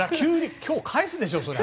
今日、返すでしょそれは。